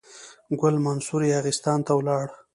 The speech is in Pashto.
ګل منصور یاغستان ته ولاړ.